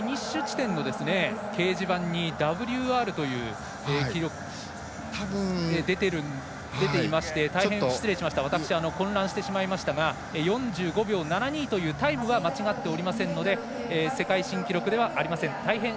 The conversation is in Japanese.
フィニッシュ地点の掲示板にＷＲという記録が出ていまして私、混乱してしまいましたが４５秒７２というタイムは間違っておりませんので世界新記録ではありません。